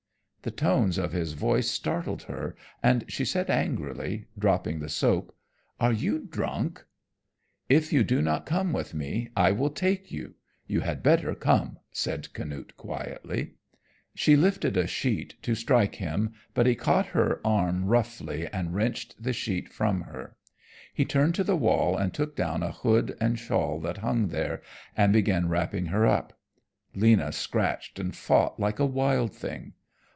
The tones of his voice startled her, and she said angrily, dropping the soap, "Are you drunk?" "If you do not come with me, I will take you, you had better come," said Canute quietly. She lifted a sheet to strike him, but he caught her arm roughly and wrenched the sheet from her. He turned to the wall and took down a hood and shawl that hung there, and began wrapping her up. Lena scratched and fought like a wild thing.